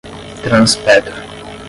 Transpetro